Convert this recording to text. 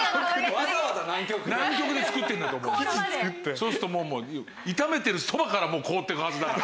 そうするともう炒めてるそばから凍っていくはずだから。